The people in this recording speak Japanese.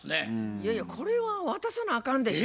いやいやこれは渡さなあかんでしょ。え？